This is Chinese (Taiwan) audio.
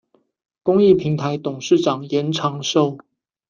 公益平臺董事長嚴長壽